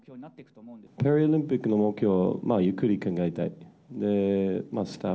パリオリンピックの目標はゆっくり考えたい。